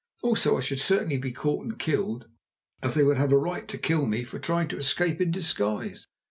Also I should certainly be caught and killed, as they would have a right to kill me for trying to escape in disguise.